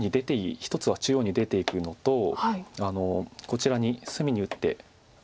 一つは中央に出ていくのとこちらに隅に打って。